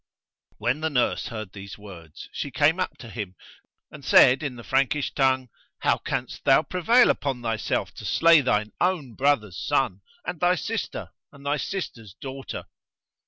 When the nurse heard these words, she came up to him and said in the Frankish tongue, "How canst thou prevail upon thyself to slay thine own brother's son, and thy sister, and thy sister's daughter?"